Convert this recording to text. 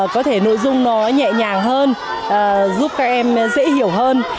có thể nội dung nó nhẹ nhàng hơn giúp các em dễ hiểu hơn